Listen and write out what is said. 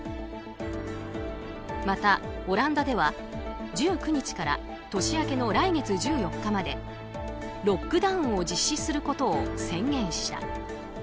また、オランダでは１９日から年明けの来月１４日までロックダウンを実施することを宣言した。